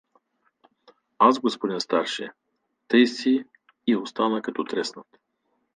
„Аз, г-н старши!“ — тъй си и остана като треснат.